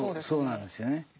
そうなんですよね。